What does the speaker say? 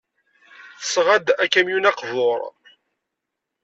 Tesɣa-d akamyun aqbur.